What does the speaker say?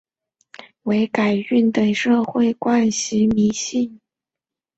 改名动机最常见为改运等社会惯习迷信。